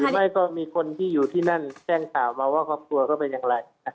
ไม่มีคนที่อยู่ที่นั่นแจ้งข่าวมาว่าครอบครัวก็เป็นอย่างไร